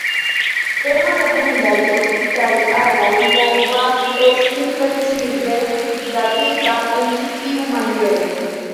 Tre malabundaj tropikaj arboj povas esti precize datita en ĉi tiu maniero.